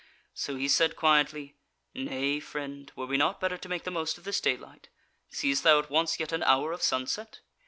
So he said quietly: "Nay, friend, were we not better to make the most of this daylight? Seest thou it wants yet an hour of sunset?"